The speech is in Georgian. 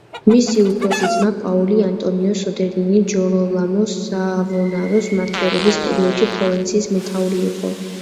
მისი უფროსი ძმა, პაოლო ანტონიო სოდერინი ჯიროლამო სავონაროლას მმართველობის პერიოდში ფლორენციის მეთაური იყო.